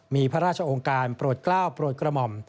มีพระราชองค์การโปรดกล้าวโปรดกระหม่อม